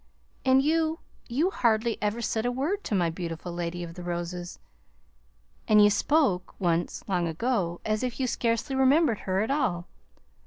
And you you hardly ever said a word to my beautiful Lady of the Roses; and you spoke once long ago as if you scarcely remembered her at all.